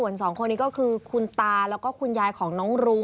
อนุกสิฮักว่าอยู่